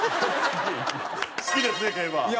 好きですね競馬。